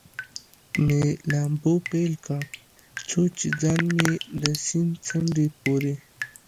مې لامبو پیل کړ، څو چې ځان مې د سیند څنډې پورې.